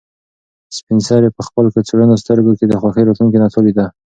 سپین سرې په خپل کڅوړنو سترګو کې د خوښۍ راتلونکې نڅا لیده.